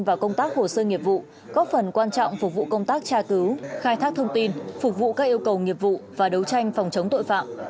và công tác hồ sơ nghiệp vụ có phần quan trọng phục vụ công tác tra cứu khai thác thông tin phục vụ các yêu cầu nghiệp vụ và đấu tranh phòng chống tội phạm